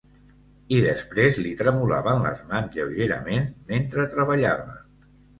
I després li tremolaven les mans lleugerament mentre treballava.